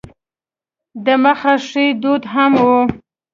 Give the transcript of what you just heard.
د مخه ښې دود هم و.